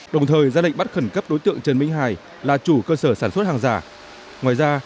đồng thời ra lệnh bắt khẩn cấp đối tượng trần minh hải là chủ cơ sở sản xuất hàng giả